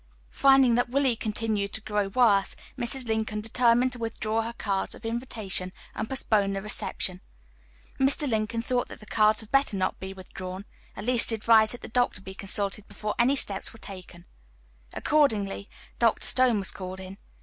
Finding that Willie continued to grow worse, Mrs. Lincoln determined to withdraw her cards of invitation and postpone the reception. Mr. Lincoln thought that the cards had better not be withdrawn. At least he advised that the doctor be consulted before any steps were taken. Accordingly Dr. Stone was called in.